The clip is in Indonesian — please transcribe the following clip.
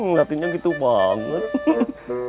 hmm latinya gitu banget